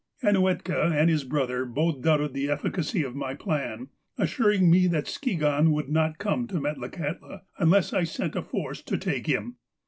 Ainuetka and his brother both doubted the efficacy of my plan, assuring me that Skigahn would not come to Metlakahtla unless I sent a force to take him.